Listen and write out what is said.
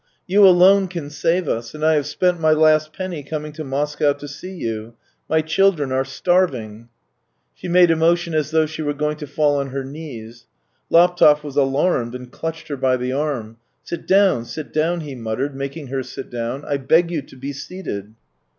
" You alone can save us, and I have spent my last penny coming to Moscow to see you ! My children are starving !" She made a motion as though she were going to fall on her knees. Laptev was alarmed, and clutched her by the arm. " Sit down, sit down .. ."he muttered, making her sit down. " I beg you to be seated."